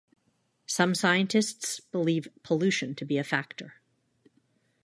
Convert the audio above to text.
Some scientists believe pollution to be a factor.